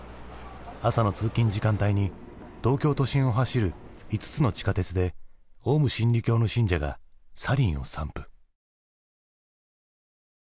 朝の通勤時間帯に東京都心を走る５つの地下鉄でオウム真理教の信者がサリンを散布。